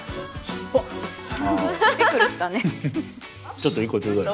ちょっと１個ちょうだい。